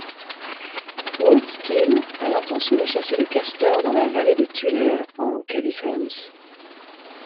Wolfskill a l'intention de chasser le castor dans la vallée de Tulare, en Californie.